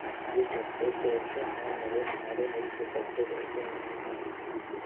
یہ ڈاکٹرز تو اچھے ھیں مگر ھمارے ملک کے ڈاکٹر ایسے نہیں ھیں